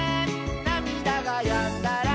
「なみだがやんだら」